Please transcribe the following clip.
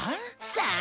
さあ？